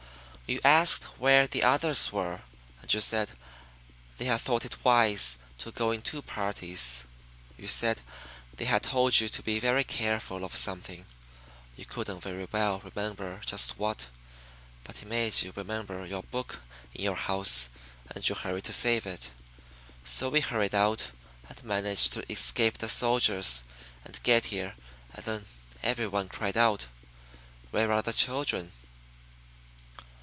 "You asked where the others were, and you said they had thought it wise to go in two parties. You said they had told you to be very careful of something; you couldn't very well remember just what, but it made you remember your book in your and you hurried to save it. So we hurried out, and managed to escape the soldiers, and get here and then everyone cried out, 'Where are the children?'"